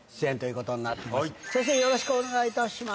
先生よろしくお願いいたします。